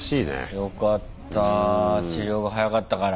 よかった治療が早かったから。